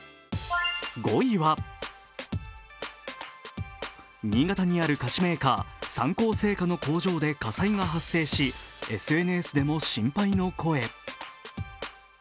５位は、新潟にある菓子メーカー、三幸製菓の工場で火災が発生し、ＳＮＳでも心配の声。